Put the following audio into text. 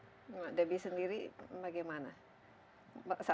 tapi sendiri bagaimana